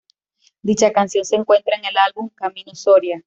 Dicha canción se encuentra en el álbum "Camino Soria".